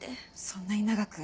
そんなに長く。